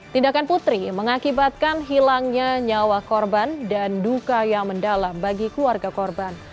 tindakan putri mengakibatkan hilangnya nyawa korban dan duka yang mendalam bagi keluarga korban